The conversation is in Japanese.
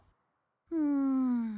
うん。